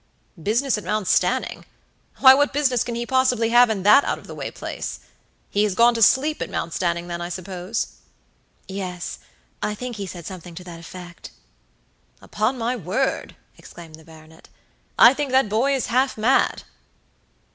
"Business at Mount Stanning! Why, what business can he possibly have in that out of the way place? He has gone to sleep at Mount Stanning, then, I suppose? "Yes; I think he said something to that effect." "Upon my word," exclaimed the baronet, "I think that boy is half mad."